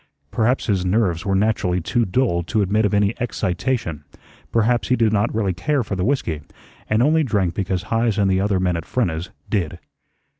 Perhaps his nerves were naturally too dull to admit of any excitation; perhaps he did not really care for the whiskey, and only drank because Heise and the other men at Frenna's did.